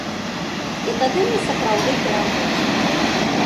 І тады мы сапраўды пераможам.